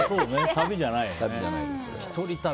旅じゃないよね。